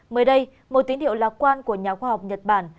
mới đây một tín hiệu lạc quan của nhà khoa học nhật bản